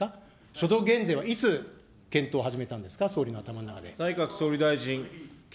所得減税はいつ、検討を始めたんですか、総理の頭の中で。